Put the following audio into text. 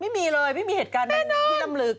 ไม่มีเลยไม่มีเหตุการณ์ที่นำลือกัน